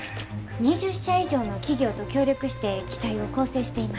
２０社以上の企業と協力して機体を構成しています。